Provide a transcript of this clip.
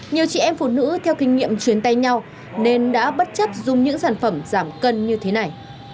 nhiều chị em phụ nữ theo kinh nghiệm chuyến tay nhau nên đã bất chấp dùng những sản phẩm giảm cân như thế này